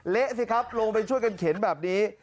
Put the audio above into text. เละสิครับลงไปช่วยกันเข็นแบบนี้